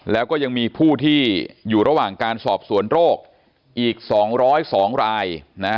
แล้วก็ยังมีผู้ที่อยู่ระหว่างการสอบสวนโรคอีก๒๐๒ราย